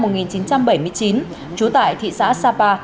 trú tại thị xã sapa